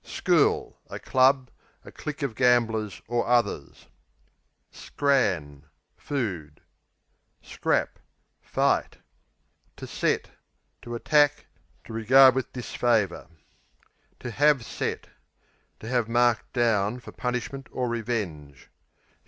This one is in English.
School A club; a clique of gamblers, or others. Scran Food. Scrap Fight. Set, to To attack; to regard with disfavour. Set, to have To have marked down for punishment or revenge.